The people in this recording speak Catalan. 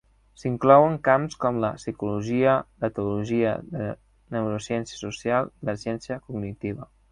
S"inclouen camps com la psicologia, l"etologia de neurociència social i la ciència cognitiva.